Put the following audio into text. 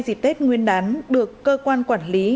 dịp tết nguyên đán được cơ quan quản lý